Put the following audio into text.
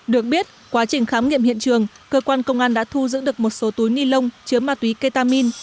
được biết quá trình khám nghiệm hiện trường cơ quan công an đã thu giữ được một số túi ni lông chứa ma túy ketamin